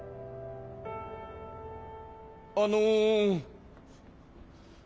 あの。